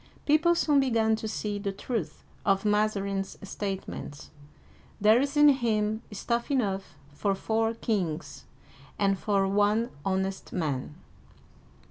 People soon began to see the truth of Mazarin's statements :" There is in him stuff enough for four kings and for one honest man